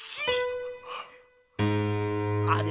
あれ？